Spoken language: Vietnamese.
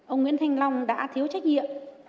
ông nguyễn thanh long đã thiếu trách nhiệm